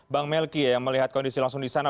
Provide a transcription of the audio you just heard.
bang melki yang melihat kondisi langsung di sana